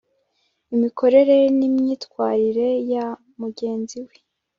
imikorere n'imyitwarire ya mugenzi we